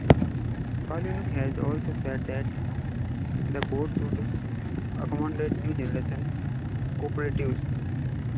Kalynuk has also said that the board should accommodate new generation cooperatives.